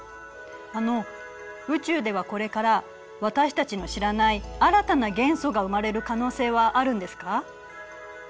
あの宇宙ではこれから私たちの知らない新たな元素が生まれる可能性はあるんですか？